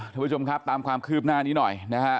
ทุกผู้ชมครับตามความคืบหน้านี้หน่อยนะฮะ